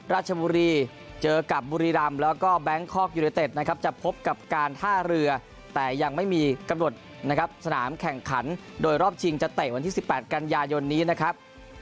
ราชบุรีเจอกับบุรีรำแล้วก็แบงคอกยูเนเต็ดนะครับจะพบกับการท่าเรือแต่ยังไม่มีกำหนดนะครับสนามแข่งขันโดยรอบชิงจะเตะวันที่๑๘กันยายนนี้นะครับ